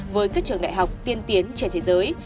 với các trường đại học tiên tiến trên thế giới